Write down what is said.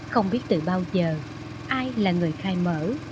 không biết từ bao giờ ai là người khai mở